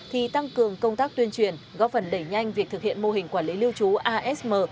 thì tăng cường công tác tuyên truyền góp phần đẩy nhanh việc thực hiện mô hình quản lý lưu trú asm